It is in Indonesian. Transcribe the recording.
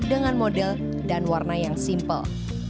dengan model dan warna yang simpel